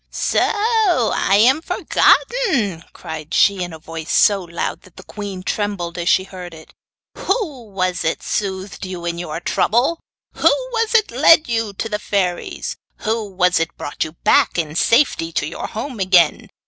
'So I am forgotten!' cried she, in a voice so loud that the queen trembled as she heard it. 'Who was it soothed you in your trouble? Who was it led you to the fairies? Who was it brought you back in safety to your home again?